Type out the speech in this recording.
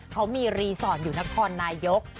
เขามีรีสอร์ทอยู่นครนายก